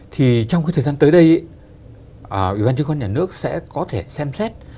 thì trong cái thời gian tới đây ủy ban chứng khoán nhà nước sẽ có thể xem xét